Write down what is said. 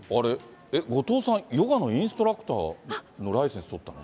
後藤さん、ヨガのインストラクターのライセンス取ったの？